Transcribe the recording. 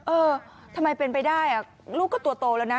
เออทำไมเป็นไปได้ลูกก็ตัวโตแล้วนะ